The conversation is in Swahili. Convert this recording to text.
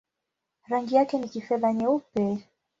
Rangi yake ni kifedha-nyeupe.